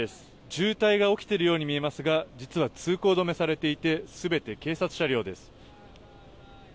渋滞が起きているように見えますが実は通行止めされていて全て警察車両です。